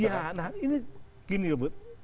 iya nah ini gini loh bud